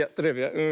うん。